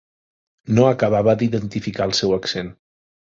No acabava d'identificar el seu accent.